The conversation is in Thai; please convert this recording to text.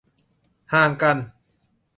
ห่างกัน